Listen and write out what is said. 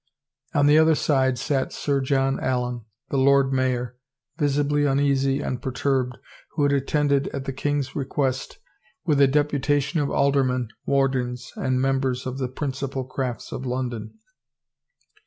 On the other side sat Sir John Allen, the Lx)rd Mayor, visibly uneasy and per turbed, who had attended, at the king's request, with a deputation of aldermen, wardens, and members of the principal crafts of Lx)ndon.